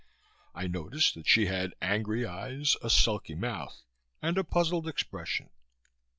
I noticed that she had angry eyes, a sulky mouth and a puzzled expression.